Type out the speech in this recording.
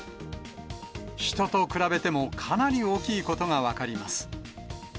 人と比べてもかなり大きいことが分かります。